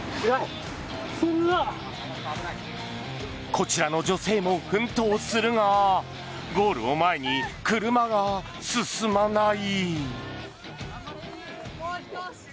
こちらの女性も奮闘するがゴールを前に車が進まない。